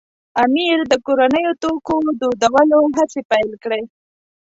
امیر د کورنیو توکو دودولو هڅې پیل کړې.